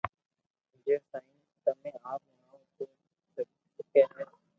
جي سائين تمي آپ ھڻاويو تو سگي ھي